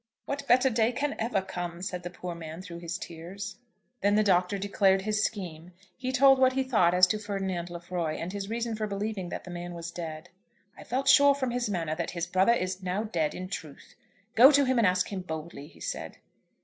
"What better day can ever come?" said the poor man through his tears. Then the Doctor declared his scheme. He told what he thought as to Ferdinand Lefroy, and his reason for believing that the man was dead. "I felt sure from his manner that his brother is now dead in truth. Go to him and ask him boldly," he said.